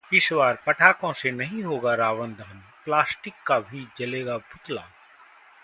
इस बार पटाखों से नहीं होगा रावण दहन, प्लास्टिक का भी जलेगा पुतला